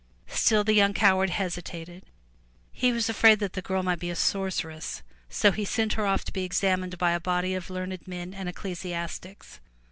Still the young coward hesitated. He was afraid that the girl might be a sorceress, so he sent her off to be examined by a body of learned men and ecclesiastics.